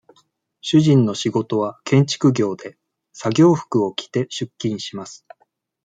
主人の仕事は、建築業で、作業服を着て、出勤します。